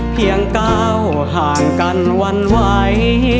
เพียงก้าวห่างกันวันไหว